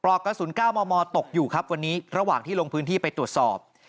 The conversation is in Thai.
อกกระสุน๙มมตกอยู่ครับวันนี้ระหว่างที่ลงพื้นที่ไปตรวจสอบ